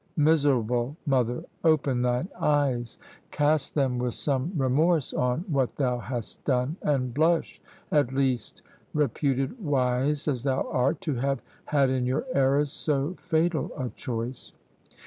miserable mother! open thine eyes; cast them with some remorse on what thou hast done, and blush, at least, reputed wise as thou art, to have had in your errors so fatal a choice!